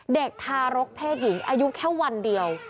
เด็กทารกเพศหญิงอายุแค่วันเดียว